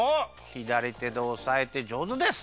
ひだりてでおさえてじょうずです！